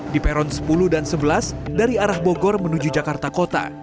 di peron sepuluh dan sebelas dari arah bogor menuju jakarta kota